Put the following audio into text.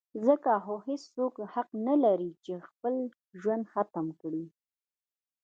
ځکه خو هېڅوک حق نه لري چې خپل ژوند ختم کي.